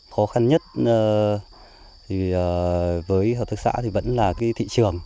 khó khăn nhất thì với hợp tác xã thì vẫn là cái thị trường